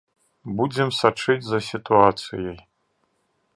Будзем сачыць за сітуацыяй.